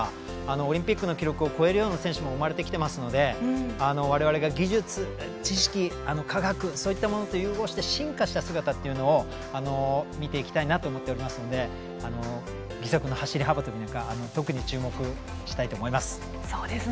オリンピックの記録を超えるような選手も生まれてきていますので我々の技術、知識、科学そういったものと融合して進化した姿というのを見ていきたいなと思っておりますので義足の走り幅跳びなんかを特に注目したいと思います。